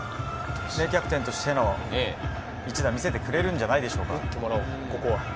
キャプテンとしての一打を見せてくれるんじゃないでしょうか。